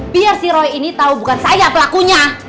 biar si roy ini tahu bukan saya pelakunya